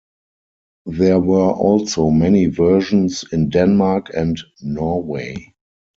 There were also many versions in Denmark and Norway.